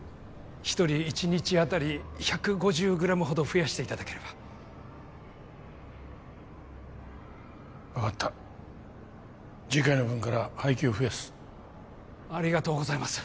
１人１日当たり１５０グラムほど増やしていただければ分かった次回の分から配給を増やすありがとうございます